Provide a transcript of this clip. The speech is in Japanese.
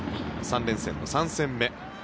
３連戦の３戦目。